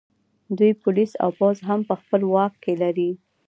دوی پولیس او پوځ هم په خپل واک کې لري